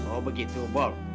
oh begitu bol